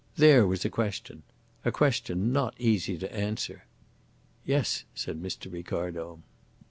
There was a question a question not easy to answer." "Yes," said Mr. Ricardo.